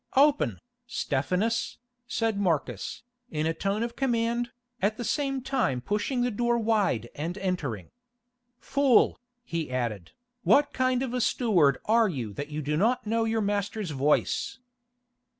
"Open, Stephanus," said Marcus, in a tone of command, at the same time pushing the door wide and entering. "Fool," he added, "what kind of a steward are you that you do not know your master's voice?"